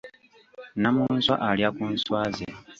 Nnamunswa alya ku nswa ze.